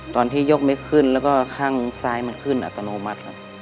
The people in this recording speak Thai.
ตอนที่ยกไม่ขึ้นแล้วก็ข้างซ้ายมันขึ้นอัตโนมัติครับ